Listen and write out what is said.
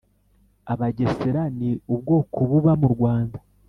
abagesera ni ubwoko buba mu rwanda